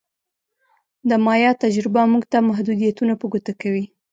د مایا تجربه موږ ته محدودیتونه په ګوته کوي